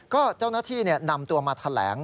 ก็เจ้าหน้าที่นำตัวมาแถลง